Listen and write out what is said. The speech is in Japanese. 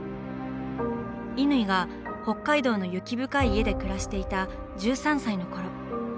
乾が北海道の雪深い家で暮らしていた１３歳のころ。